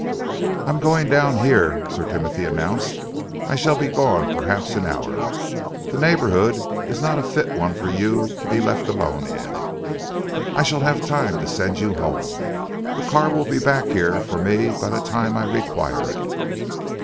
"I am going down here," Sir Timothy announced. "I shall be gone perhaps an hour. The neighbourhood is not a fit one for you to be left alone in. I shall have time to send you home. The car will be back here for me by the time I require it."